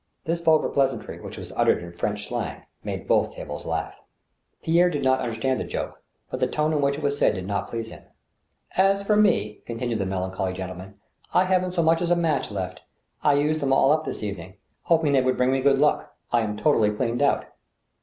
This vulgar pleasantry, which was uttered in French slang, made both tables laugh. A MIDmCHT SUPPER. 27 Pierre did not understand the joke, but the tone in which it was said did not please him. As for rae," continued the melancholy gentleman, I haven't so much as a match left ; I used them all up this evening — hoping they would bring me good luck. I am totally cleaned out."